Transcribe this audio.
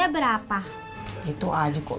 berapa itu aja kok